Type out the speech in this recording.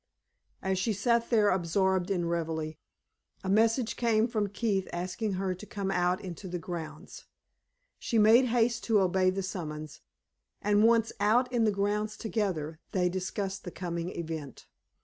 As she sat there absorbed in reverie, a message came from Keith asking her to come out into the grounds. She made haste to obey the summons, and once out in the grounds together, they discussed the coming event.